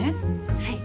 はい。